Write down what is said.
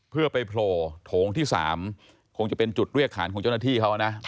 เพื่อไปโผล่โถงที่๓คงจะเป็นจุดเรียกขานของเจ้าหน้าที่เขานะ